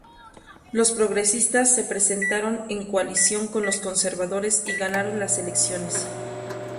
Los progresistas se presentaron en coalición con los conservadores y ganaron las elecciones.